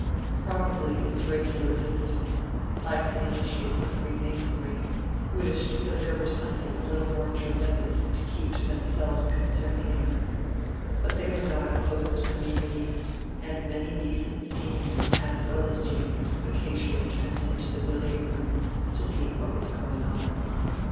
Probably its regular visitants, like the initiates of freemasonry, wished that there were something a little more tremendous to keep to themselves concerning it; but they were not a closed community, and many decent seniors as well as juniors occasionally turned into the billiard room to see what was going on.